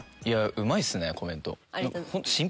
うまいっすねコメント。